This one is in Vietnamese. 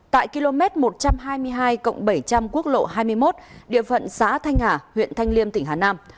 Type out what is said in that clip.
tại km một trăm hai mươi hai bảy trăm linh quốc lộ hai mươi một địa phận xã thanh hà huyện thanh liêm tỉnh hà nam